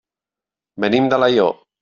Venim d'Alaior.